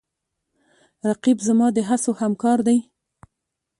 رقیب زما د هڅو همکار دی